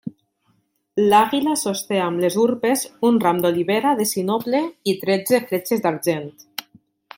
L'àguila sosté amb les urpes un ram d'olivera de sinople i tretze fletxes d'argent.